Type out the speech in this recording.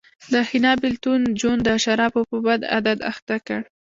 د حنا بېلتون جون د شرابو په بد عادت اخته کړ